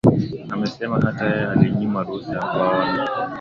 amesema hata yeye alinyimwa ruhusa ya kuwaona